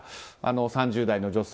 ３０代の女性